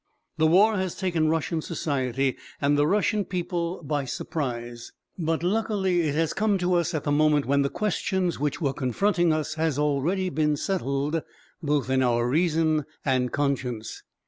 The war has taken Russian society and the Russian people by surprise, but luckily it has come to us at the moment when the questions which were confronting us had already been settled both in our reason and conscience.